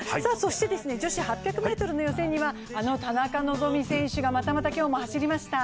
女子８００ｍの予選にはあの田中希実選手がまたまた今日も走りました。